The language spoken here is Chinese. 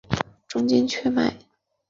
中间雀麦为禾本科雀麦属下的一个种。